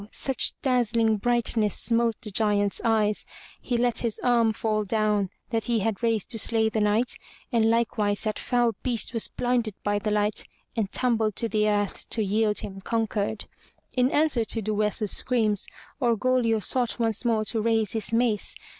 such dazzling brightness smote the Giant's eyes, he let his arm fall down that he had raised to slay the Knight, and likewise that foul beast was blinded by the light and tumbled to the earth to yield him conquered. In answer to Duessa's screams, Orgoglio sought once more to raise his mace.